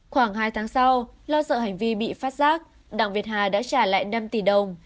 khoảng hai tháng sau lo sợ hành vi bị phát giác đặng việt hà đã trả lại năm tỷ đồng